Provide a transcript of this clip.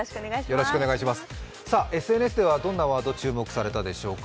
ＳＮＳではどんなワード、注目されたでしょうか。